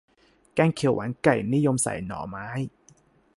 แกงเขียวหวานไก่ นิยมใส่หน่อไม้